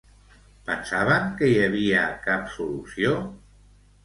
Pensaven que hi havia cap solució?